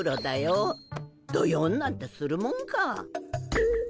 どよんなんてするもんか。